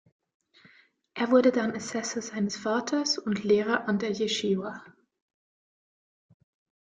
Er wurde dann Assessor seines Vaters und Lehrer an der Jeschiwa.